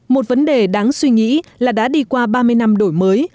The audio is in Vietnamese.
một vấn đề đáng suy nghĩ là đã đi qua ba mươi năm đổi mới